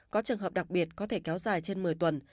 có trường hợp đặc biệt có thể kéo dài trên một mươi tuần